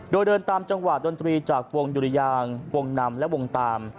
โดยเดินตามจังหวะดนตรีจากวงดุริยางวงนำและวงตาม